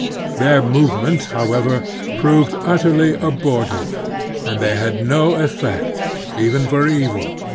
Their move ment, however, proved utterly abortive, and they had no effect even for e\ il.